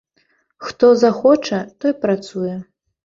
Хто захоча, той працуе.